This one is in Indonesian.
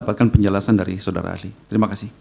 dapatkan penjelasan dari saudara ahli terima kasih